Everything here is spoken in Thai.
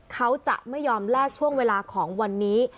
เขาจะไม่ยอมแลกช่วงเวลาของวันนี้